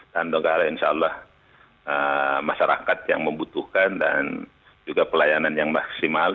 dan dengan insya allah masyarakat yang membutuhkan dan juga pelayanan yang maksimal